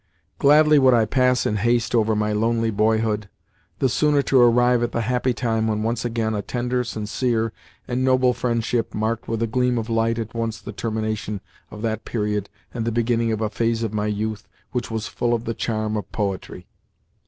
Gladly would I pass in haste over my lonely boyhood, the sooner to arrive at the happy time when once again a tender, sincere, and noble friendship marked with a gleam of light at once the termination of that period and the beginning of a phase of my youth which was full of the charm of poetry.